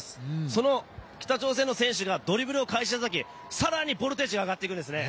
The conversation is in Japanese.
その北朝鮮の選手がドリブルを開始したとき、更にボルテージが上がっていくんですね。